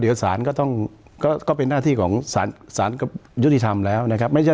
เดี๋ยวสารก็เป็นหน้าที่ของสารยุทธิธรรมแล้วนะครับ